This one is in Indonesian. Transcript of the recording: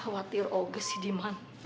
khawatir oga si diman